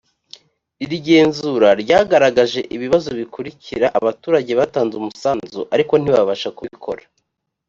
iri genzura ryagaragaje ibibazo bikurikira abaturage batanze umusanzu ariko ntibabasha kubikora